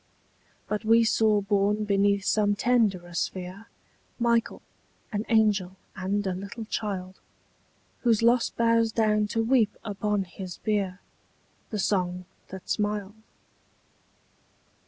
But we saw born beneath some tenderer sphere Michael, an angel and a little child, Whose loss bows down to weep upon his bier The song that smiled.